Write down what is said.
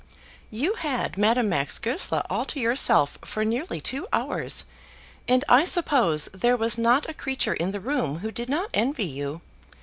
"You had Madame Max Goesler all to yourself for nearly two hours, and I suppose there was not a creature in the room who did not envy you.